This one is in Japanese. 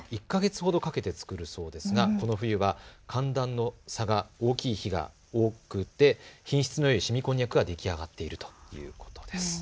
１か月ほどかけて作るそうですがこの冬は寒暖の差が大きい日が多くて品質のよいしみこんにゃくが出来上がっているということです。